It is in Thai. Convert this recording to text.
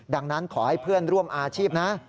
ดังนั้นขอให้เพื่อนร่วมอาชีพนะ